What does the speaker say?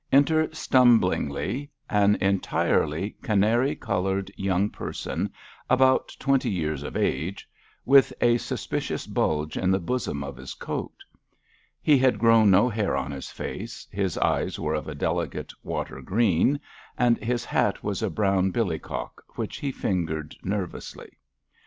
Enter stumblingly an entirely canary coloured young person about twenty years of age, with a suspicious bulge in the bosom of his coat. He had grown no hair on his face; his eyes were of a delicate water green, and his hat was a brown billycock, which he fingered nervously.